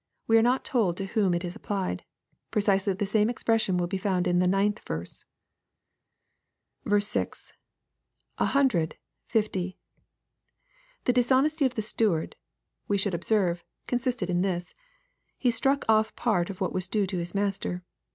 We are not told to whom it is applied. Precisely the same expression will be found in the ninth verse. 6. — [An hundred...fifty.'] The dishonesty of the steward, we shoiald observe, consisted in this :— He stnck off part of what was due to his master.